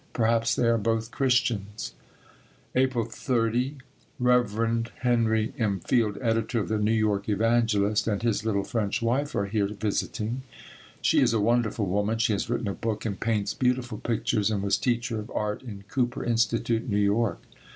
Perhaps they are both Christians. April 30. Rev. Henry M. Field, editor of the New York Evangelist, and his little French wife are here visiting. She is a wonderful woman. She has written a book and paints beautiful pictures and was teacher of art in Cooper Institute, New York.